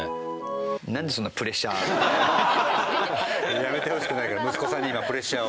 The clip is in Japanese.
やめてほしくないから息子さんに今プレッシャーを。